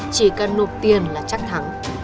chỉ cần nộp tiền là chắc thắng